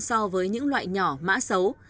so với những loại nhỏ mã xấu